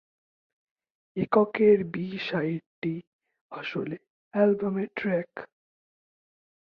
এককের বি-সাইডটি আসলে অ্যালবামের ট্র্যাক।